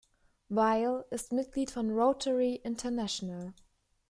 Weil ist Mitglied von Rotary International.